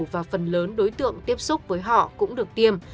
và phần lớn đối tượng tiếp xúc với họ cũng được tiêm